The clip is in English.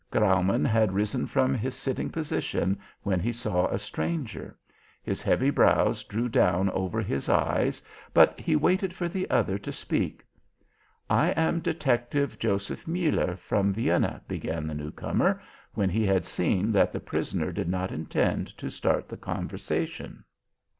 Graumann had risen from his sitting position when he saw a stranger. His heavy brows drew down over his eyes, but he waited for the other to speak. "I am Detective Joseph Muller, from Vienna," began the newcomer, when he had seen that the prisoner did not intend to start the conversation.